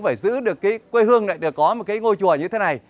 phải giữ được cái quê hương này để có một cái ngôi chùa như thế này